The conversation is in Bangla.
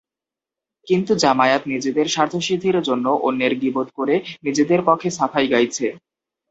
কিন্তু জামায়াত নিজেদের স্বার্থসিদ্ধির জন্য অন্যের গিবত করে নিজেদের পক্ষে সাফাই গাইছে।